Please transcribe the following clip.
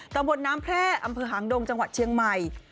ตำบลน้ำแพร่อำเภอหางดงจังหวัดเชียงใหม่